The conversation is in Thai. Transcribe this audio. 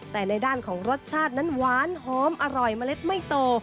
แต่ในด้านของรสชาตินั้นหวานหอมอร่อยเมล็ดไม่โต